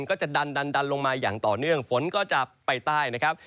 ก็จะดันดันลงมาอย่างต่อเนื่องฝนก็จะไปใต้นะครับ